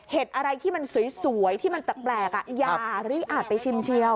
อะไรที่มันสวยที่มันแปลกอย่ารีบอาจไปชิมเชียว